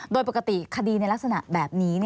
โดยปกติคดีในลักษณะแบบนี้